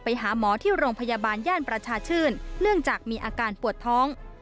ไปหาหมอที่โรงพยาบาลย่านประชาชื่นเนื่องจากมีอาการปวดท้อง